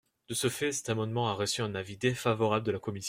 De ce fait, cet amendement a reçu un avis défavorable de la commission.